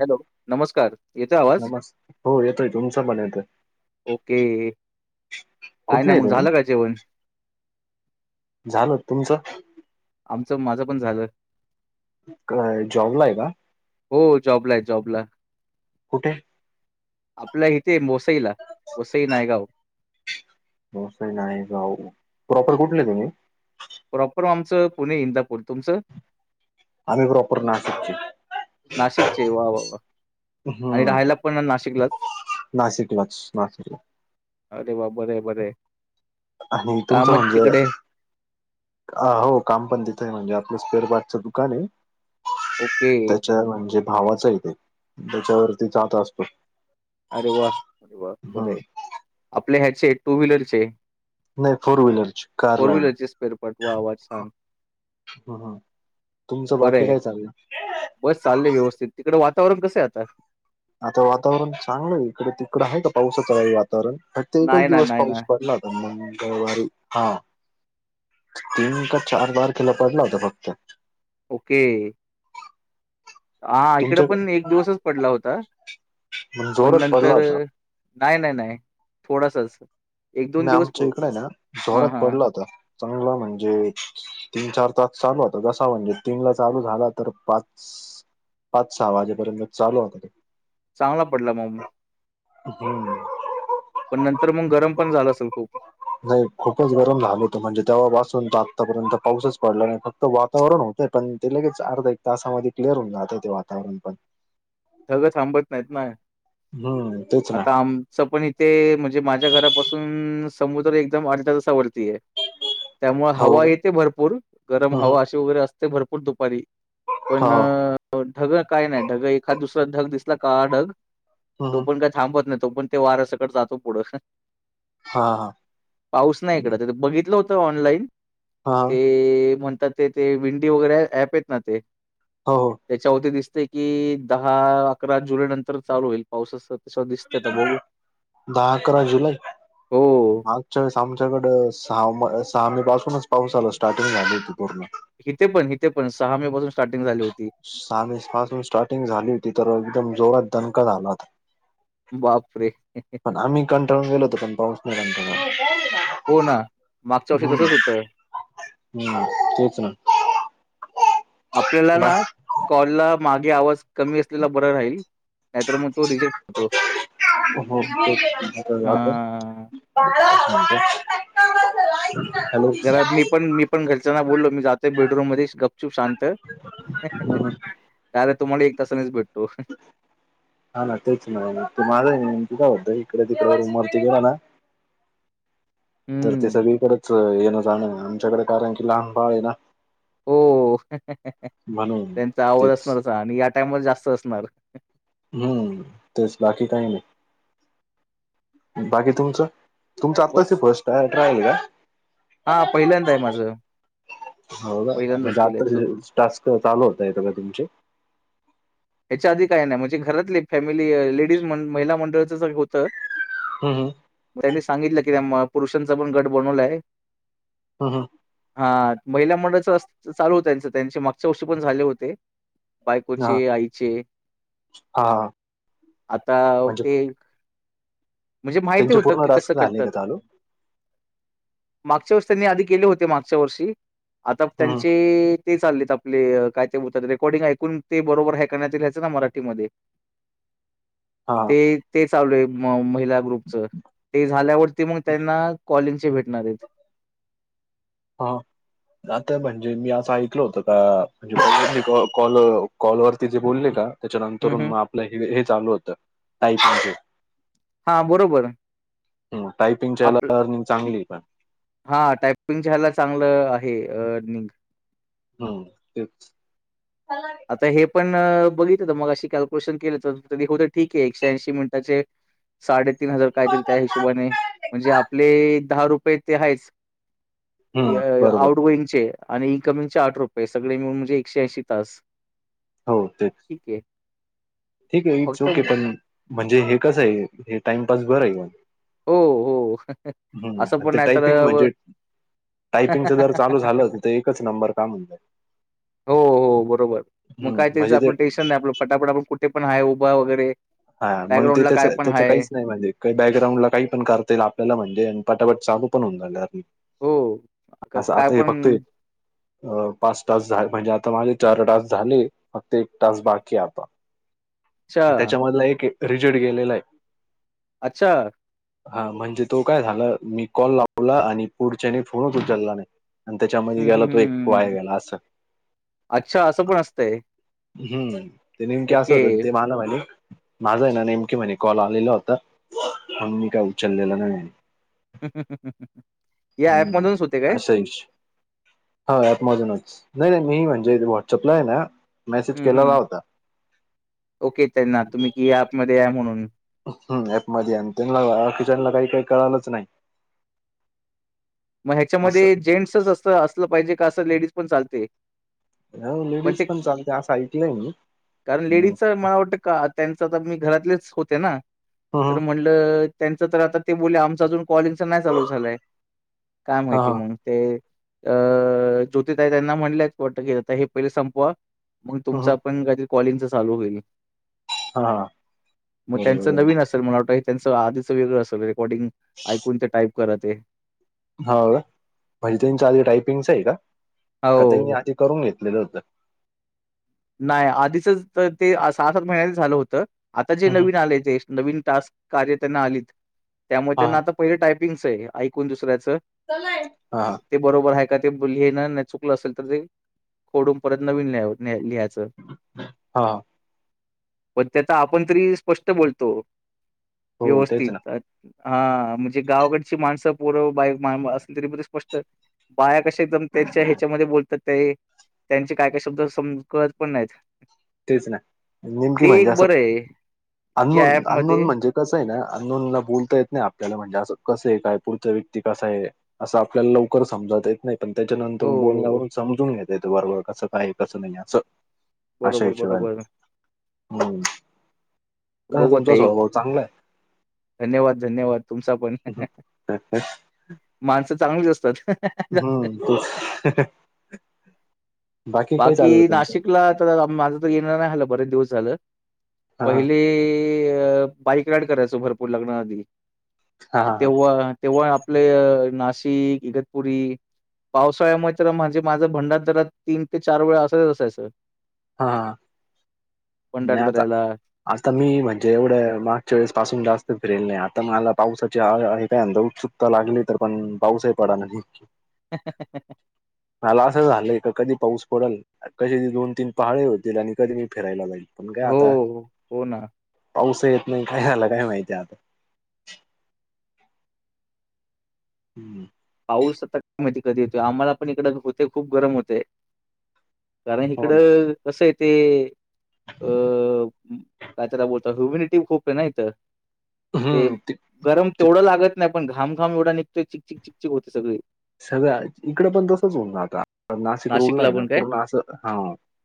Hello नमस्कार. येतोय आवाज? नमस् हो येतोय तुमचं पण येतोय. ओके. काय कुठले नाही आहे मग झालं काय जेवण. झाल तुमचं? आमचं माझं पण झालं. काय अ, जॉबला हे का? हो जॉबला, आहे जॉबला. कुठे? आपल्या इथे मोसईला, मोसई नायगाव. मोसई नायगाव प्रॉपर कुठले तुम्ही? तुमच पुणे इंदापूर तुमचं? आमही प्रॉपर ना [unintelligible] शीकची नाशिकचे वा वा वा. आणि हम्म राहायला पण नाशिकलाच. नाशिकलाच नाशिकला अरे वा बरं हे बरं हे. आणि तुमचं म्हणजे? अ हो काम पण तिथंय म्हणजे आणि स्पेअरपार्टच दुकान हे ओके. त्याच्या म्हणजे भावाच हे ते त्याच्यावरती जात असतो. अरे वा अरे वा बर हम्म हे आपल्या ह्याचे टू व्हीलरचे नाही फोर व्हीलरची कार फोर लाईन व्हीलरचे स्पेअरपाट वा वा‌ छान, तुमचं बर बाकी हे काय चाललं बस चाललंय व्यवस्थित तिकडे वात वातावरण कस हे आता? आता वातावरण चांगलं आहे इकडे, तिकड हाय का पावसाच काही [unintelligible] वातावर कारण काय तीन, चार नाही ना, दिवस नाही ना. पाऊस [unintelligible] पडला होता तर रविवारी हा तीन, का चार, बार तारखेला पडला होता फक्त. ओके. हा इकड तुमच्या पण एक दिवसच पडला होता. पण जोरात पडला नंतर होता नाही नाही नाही थोडासच नाईआमच्या इकडे हे ना, जोरात हा पडलं आता चांगलं म्हणजे तीन चार तास चालू होता कसा म्हणजे तीन ला चालू झाला तर पाच पाच सहा वाजेपर्यंत चालू होता चांगला पडला मग [unintelligible] पण नंतर मग गरम [unintelligible] नाही खूपच गरम झाल होत म्हणजे तेव्हापसून तर आतापर्यंत पाऊसच पडला नाही फक्त वातावरण हो पण ते लगेच अर्धा एक तासामध्ये क्लिअर होऊन जातय ते वातावरण पण सगंळ थांबत नाहीत ना हम्म तेच ना आता आमच पण इथे म्हणजे माझ्या घरापासून समुद्र एकदम आर्ध्या तासा वर ये त्यामुळे हो हवा हम्म येते भरपूर गरम हम्म हवा अशी वगैरे असते भरपूर दुपारी पण हा ढग काय नाही ढग एखाद दुसर ढग दिसला काळा ढग तो हम्म पण काय थांबत नाही तो पण ते वऱ्या सकट जातो पुढं हा हा. पाऊस नाही इकड बघितलं होतं ऑनलाइन हा आ ते ते विंडी वगैरे अँप आहेत ना ते हो हो. त्याच्यावरती दिसते की दहा अकरा जुलै नंतर चालू होईल पावसाच दहा अकरा जुलै हो. मागच्या वेळेस आमच्याकड सहा मे सहा मे पासूनच पाऊस आला स्टार्टिंग झाली होती पूर्ण इथे पण इथे पण सहा मे पासून स्टार्टिंग झाली होती सा मे पासून स्टार्टिंग झाली होती तर एकदम जोरात दणका झाला होता. बापरे! पण आम्ही कंटाळून गेलो होतो पण पाऊस नाही झाला तेव्हा हो ना. मागच्या [unintelligible] वर्षी हो तसंच होतं. हम् तेच ना. आपल्याला बा ना कॉलला मागे आवाज कमी असलेला बर राहील. नाही तर मग तो रिजेक्ट होतो. हां. [unintelligible] [unintelligible] घरात मी पण मी पण घरच्यांना बोललो मी जाते बेडरूम मध्ये गप चूप शांत. तुम्हाला तासानेच भेटतो. हा ना तेच नाही त माझ [unintelligible] इकडे तिकड रूमवरती गेलो ना. तर ते हं. सगळीकडेच येणं जाणं आमच्याकडे कारण की लहान बाळ आहे ना. हो [unintelligible] म्हणून त्यांचा आवाज तेच असणारच आणि या टाईम ला जास्त असणार. हम्म तेच बाकी काही नाही. बाकी तुमचं. तुमचं आत्ताच बस. फर्स्ट ट्रायल आहे हां, [unintelligible] पहिल्यांदा आहे माझं. हो ना पहिल्यांदाच म्हंजे केलंय. आता हे तो टास्क चालू होता येतो का तुमचे. हेच्या आधी काही नाही म्हणजे घरातले फॅमिली लेडीज मन महिला मंडळ. [unintelligible] होत हम्म हम्म [unintelligible] सांगितलं की म त्या पुरुषांचा पण गट बनवलाय. हम हम. हा महिला मंडळाच चालू होत त्यांचं त्यांचे मागच्या वर्षी पण झाले होते. हा बायकोची आई. [unintelligible] हा हा आता म्हणजे ते. म्हणजे माहिती त्यांचे होत पूर्ण की कस टास्क झाले करतात का चालू? मागच्या वर्षी त्यांनी अधिक. गले होते मागच्या वर्षी आता हम्म त्यांचे. ते चाललेत आपले कायत रेकॉर्डिंग ऐकून ते बरोबर है - [unintelligible] मराठी मध्ये हा [inaudible] ते ते चालुय [unintelligible] - महिला ग्रुप च ते झाल्या वरती मग त्यांना कॉलिंगच भेटनारायत हा. आता म्हणजे मी असं ऐकल होतं का म्हणजे मी कॉल कॉलवरर ति जे बोलले ना. हं त्याच्यानंतरून हं मग आपलं हे हे चालू होतं टाईप जे. हा बरोबर. टायपिंगच्या आपल याला अर्निंग चांगली आहे पण हा टायपिंगच्या ह्याला चांगलं आहे निंग. हो तेच. आता हे पण बघित तर मग अशी कॅल्क्युलेशन केल होत ठीक आहे एकशे ऐशी मिनिटाचे साडे तीन हजार कायतरी त्या हिशोबाने म्हणजे आपले दहा रुपये ते आहेच. हम्म बरोबर आउट गोइंग चे आणि इनकमिंगचे आठ रुपये सगळे मिून म्हणजे एकशे ऐशी तास. हो तेच ठीक आहे. ठीक आहे इटस फक्त ओके पण म्हणजे हे कसं आहे हे टाइमपास बर आहे. हो, हो. असं हम्म पण ते नाही तर टायपिंग व म्हणजे टायपिंगच जर चालू झालं तर तर एकच नंबर काम होईल. हो हो बरोबर मग काय त्याच म्हणजे ते आपलं टेन्शन नाही आपलं फटाफट आपण कुठे पण आहे उभा वगैरे. हा मग ते बॅकग्राऊंडला त्याच काय पण त्याच आहे. काहीच नाही म्हणजे काही बॅकग्राउंडला काही पण कर आपल्याला म्हणजे पटापट चालू पण होऊ रायल अबि. हो काय पण. एक, अ पाच टास्क झा म्हणजे आता माझे चार तास झाले फक्त एक टास्क बाकी आता. अच्छा, त्याच्यामधला एक रिजट गेलेला आहे. अच्छा. हा म्हणजे तो काय झाला मी कॉल लावला आणि पुढच्याने फोनच उचलला नाही. आणि त्याच्यामध्ये हं, गेला हं, तो एक हं, वाया हं. गेला असं. अच्छा असं पण असतंय. हम्म ते नेमके असं ओके. होतं ते मला म्हणे माझा आहे ना नेमके म्हणे कॉल आलेला होता मण मी काय उचललेलं नाही. [unintelligible] या हम्म ॲपमधूनच होते काय? अस हीच. हा आतमजूनच नाही नाही मी म्हणजे व्हॉट्सअपला आहे ना मेसेज हम्म केलेला हम्म होता ओके त्यांना तुम्ही कि ॲप मध्ये या म्हणून हम्म ऍप मध्ये आणि त्यांना किचनला काही काही कळालच नाही. मग असं ह्याच्यामध्ये जेंट्सच असं असलं पाहिजे का असं लेडीज पण चालते. ह लेडीज पण चालते असं ऐकलंय मी. कारण लेडीजच मला वाटतं का त्यांच तर मी घरातलेच होते ना ह ह तर म्हंलं त्यांच तर आता ते बोल आमचं अजून कॉलिंग नाही चालू झालंय काय हा माहिती हा म ते अ ज्योतिताई त्यांना म्हणलंयच वाटतं की आता हे पहिले संपवा मग तुमच ह पण काहीतरी कॉलिंगच चालू होईल. हा हा. मग त्यांच बरोबर आहे नवीन असेल मला वाटत? त्यांच आधीच वेगळं अस रेकॉर्डिंग ऐकून ते टाईप करत ये. ह का म्हणजे त्यांचा आधी टायपिंगच आहे का? का हो. त्यांनी आधी करून घेतलेलं होत. नाही आधीचच ते सहा सात महिन्याच झालं होतं आता जे हम्म, हम्म. नवीन आले ते नवीन टास्क कार्य त्यांना आलीत त्यामुळे हा त्यांना आता पहिले टायपिंगच आहे ऐकून दुसऱ्याच हा हा ते बरोबर आहे का ते लिहणं चुकलं असेल तर ते खोडून परत नवीन लिहायचं. हा. पण त्याता आपण तरी स्पष्ट बोलतो हो तेच ना व्यवस्थित अ हा म्हणजे गावाकडची माणसं पूर बाई असेल तरीद्ल स्पष्ट बाय कशा एकदम त्यांच्या ह्याच्यामध्ये बोलतात ते त्यांचे काय काय शब्द सम कळत पण नाहीत. तेच नाही नेमकी ते म्हणजे एक असं बरं आहे या अननोन अननोन ॲपमध्ये म्हणजे कसं आहे ना अननोन बोलता येत नाही आपल्याला म्हणजे असं कसं आहे काय पुढचां व्यक्ती कसा आहे असं आपल्याला लवकर समज [unintelligible] जाता येत नाही पण त्याच्यानंतर हो. बोलण्यावरून समजून घेतता येत बरोबर कसं काय कसं नाही असं. अशा बरोबर, हिशोबाने बरोबर. हम का बघू आता तुमचा एक स्वभाव चांगला आहे. धन्यवाद धन्यवाद तुमचा पण माणसं चांगली असतात. जास्त. हम त बाकी नाशिकला आ तर माझं तर येणार नाही झालं बरेच दिवस झालं. हा हा पहिले बाईक राईड करायचं भरपूर लग्नाआधी हा हा तेव्हा तेव्हा आपले नाशिक इगतपुरी पावसाळ्यामुळे तर म्हणजे माझं भंडारदरा तीन ते चार वेळा असायच असायचं. हा नाही आता भंडारदऱ्याला. आता मी म्हणजे एवढं मागच्या वेळेस पासून जास्त फिरेल नाही आता मला पावसाची काय उत्सुकता लागली तर पण पाऊस ही पडाना. मला असं झालं कधी पाऊस पडेल कशी दोन तीन पहाडे होते आणि आणि कधी मी फिरायला लागल पण काय हो, आता हो ना. पाऊस येत नाही का मला काय माहिती आता. [inaudible] पाऊस आता काय माहिती कधी येतो आम्हाला पण इकडं होते खूप गरम होते. कारण हो ना. इकडं कसं आहे. ते अ काय त्याला बोलतो ह्युमिनिटी खूप आहे ना इथं ते गरम ते तेवढं लागत नाही पण घाम घाम एवढा निघतोय चिकचिक चिकचिक होते सगळी सगळ्या इकड पण तसच हो आता पण नाशिक रोडला नाशिकला आहे ना पण काय? पूर्ण असं हा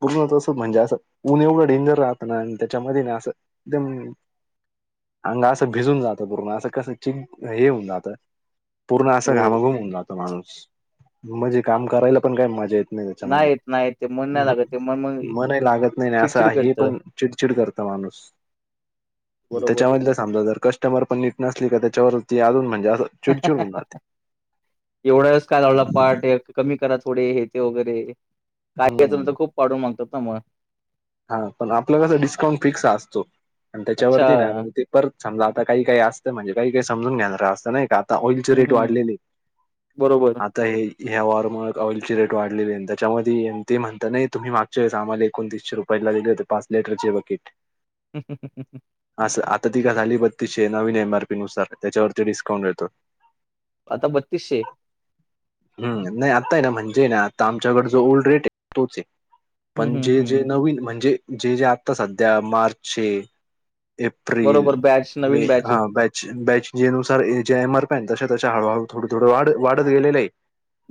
पूर्ण तस म्हणजे असं ऊन एवढं डेंजर राहत ना त्याच्यामध्ये ना असं एकदम अंगा असं भिजून जात पूर्ण असं कस चिं होऊन जात पूर्ण असा हो. घामाघूम होऊ जात णू म्हणजे आ काम करायला पण काय मजा येत नाही येत, नाही येत. ते मन नाही त्याच्यामध्ये लागत. ते मन मग मन लागत नाही असं चिडचिड हे करतं. पण चिडचिड करत माणूस बरोबर. त्याच्यामधलं समजा जर कस्टमर पण नीट नसले त्याच्यावरती अजून म्हणजे असं चिडचिड होऊन जाते एवढंच काय लावला पार्ट कमी करा थोडे हे ते वगैरे काही लोक ना हम्म तर खूप पाडून मागतात ना म हा पण आपलं कसं डिस्काउंट फिक्स असतो आणि अच्छा. त्याच्यावरती ना ते परत समजा आता काही काही असतं म्हणजे काही काही समजून घेणार असत नाही का आता ऑइलचे हं, रेट हं. वाढलेले आहेत बरोबर. आता हे ह्या वॉरम ऑइलची रेट वाढलेली आहे त्याच्यामध्ये ते म्हणता नाही तुम्ही मागचे आम्हाला एकोतीसशे रुपये पहिले दिले होते पाच लेटरचे बकिट अस आता ती का झाली बत्तीशे नवीन एम आरपी नुसार त्याच्यावरती डिस्काउंट येतो आता हम्म नाही आता आहे ना म्हणजे जे ना आता आमच्याकड जो ओल्ड रेट आहे तोच आहे हं, पण हं, जे जे हं. नवीन म्हणजे जे जे आता सध्या मार्चचे एप्रिल बरोबर बॅच, मे नवीन हा आहेत. बॅच बॅच जेनुसार सर जे एम आर पी आहे ना तशे तशे हळूहळू थोड थोड वाढत वाढत गेलेले आहे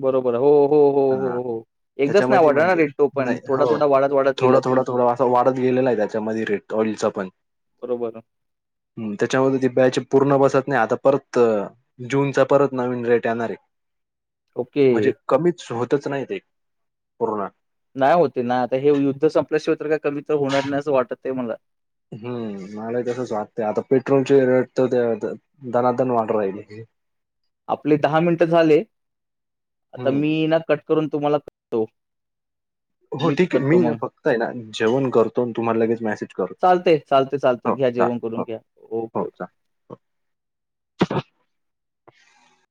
बरोबर हो हो हो हा हो हो एकदाच नाही त्याच्यामध्ये वाढणार ना म्हणजे रेट तो पण थोडा थोडा वाढत वाढत गेला तो अस वाढत गेलेला आहे त्याच्यामध्ये रेट ऑइलच पण बरोबर. हम्म त्याच्यामध्ये ती बॅच पूर्ण बसत नाही आता परत जूनचा परत नवीन रेट येणार आहे ओके. म्हणजे कमीच होतच नाही ते पूर्ण नाही होते ना आता हे युद्ध संपल्याशिवाय तरी का कमी तर होणार नाही असं वाटत आहे मला हम्म मला तसच वाटते आता पेट्रोलचे रेट तर ते दनादन वाढू राहिले [inaudible] आपले दहा मिनट झाले. [inaudible] आता हम्म मी ना कट करून तुम्हाला करतो. [inaudible] हो ठीक आहे करतो मी ना मग. फक्त आहे ना जेवण करतो तुम्हाला लगेच मेसेज करतो. चालतंय, चालतंय, [inaudible] चालतंय. हो घ्या जेवण करून घ्या ओके ओके. ह. [inaudible]